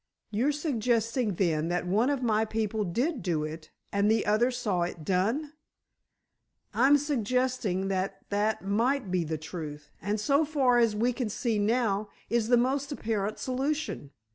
"You're suggesting, then, that one of my people did do it, and the other saw it done?" "I'm suggesting that that might be the truth, and so far as we can see now, is the most apparent solution.